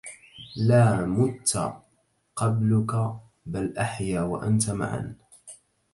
لا مت قبلك بل أحيا وأنت معا